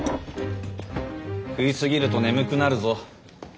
食い過ぎると眠くなるぞ。